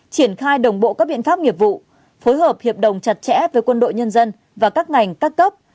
triển khai đồng bộ các biện pháp nghiệp vụ phối hợp hiệp đồng chặt chẽ với quân đội nhân dân và các ngành các cấp